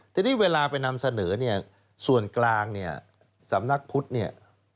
ทีนี้เวลาไปนำเสนอส่วนกลางสำนักพุทธ